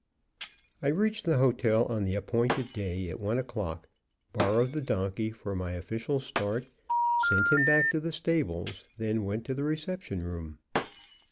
I reached the hotel on the appointed day at one o'clock, borrowed the donkey for my official start, sent him back to the stables, then went to the Reception Room.